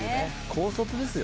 「高卒ですよ？」